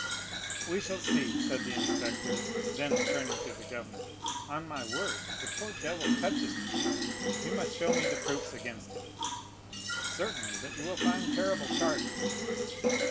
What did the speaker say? "We shall see," said the inspector; then, turning to the governor, "On my word, the poor devil touches me. You must show me the proofs against him." "Certainly; but you will find terrible charges."